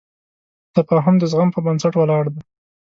تفاهم د زغم په بنسټ ولاړ دی.